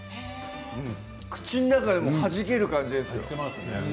口の中で、はじける感じですよ。